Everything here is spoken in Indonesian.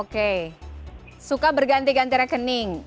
oke suka berganti ganti rekening